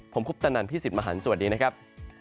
ผมคุปตะนันพี่สิทธิ์มหันฯสวัสดีนะครับ